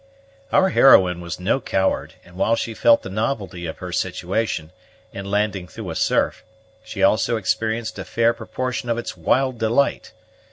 Our heroine was no coward; and while she felt the novelty of her situation, in landing through a surf, she also experienced a fair proportion of its wild delight.